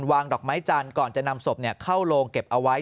วางดอกไม้จานก่อนจะนำศพเนี่ยเข้าโลงเก็บเอาไว้